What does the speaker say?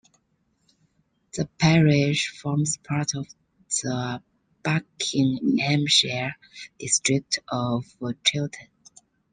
The parish forms part of the Buckinghamshire district of Chiltern.